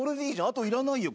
あといらないよ。